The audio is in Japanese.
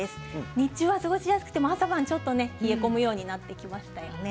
日中は過ごしやすくても朝晩、冷え込むようになってきましたよね。